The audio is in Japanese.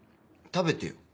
食べてよ